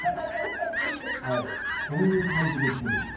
こういう感じのところです。